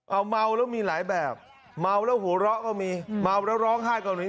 เอาเมาแล้วมีหลายแบบเมาแล้วหัวเราะก็มีเมาแล้วร้องไห้เกาหลี